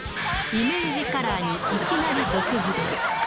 イメージカラーにいきなり毒づく。